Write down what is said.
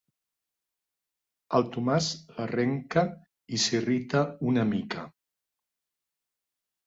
El Tomàs l'arrenca i s'irrita una mica.